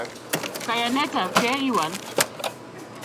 Kayanet tab gei iwal